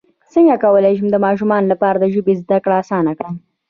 څنګه کولی شم د ماشومانو لپاره د ژبې زدکړه اسانه کړم